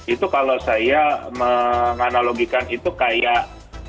itu kalau saya menganalogikan itu kayak